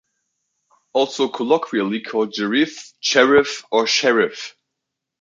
Also colloquially called Jerife, Cherif, and Sherif.